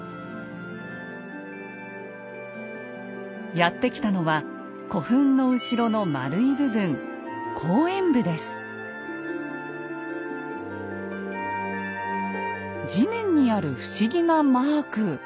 やって来たのは古墳の後ろの円い部分地面にある不思議なマーク。